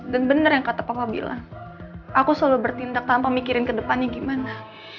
dan bener yang kata papa bilang aku selalu bertindak tanpa mikirin ke depannya gimana